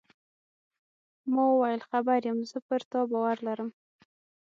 ما وویل: خبر یم، زه پر تا باور لرم.